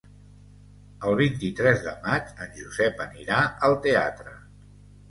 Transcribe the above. El vint-i-tres de maig en Josep anirà al teatre.